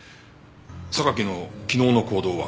榊の昨日の行動は？